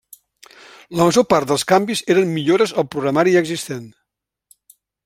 La major part dels canvis eren millores al programari ja existent.